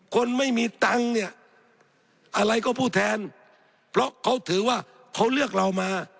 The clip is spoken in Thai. คนไม่มีตังค์เนี่ยอะไรก็พูดแทนเพราะเขาถือว่าเขาเลือกเรามา